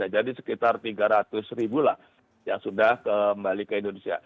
jadi sekitar tiga ratus lah yang sudah kembali ke indonesia